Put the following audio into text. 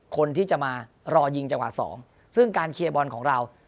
คนที่จะมารอยิงจังหวะ๒ซึ่งการเคลียร์บอลของเรา